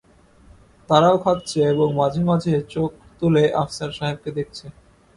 তারাও খাচ্ছে এবং মাঝেমাঝে চোখ তুলে আফসার সাহেবকে দেখছে।